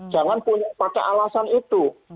jangan pakai alasan itu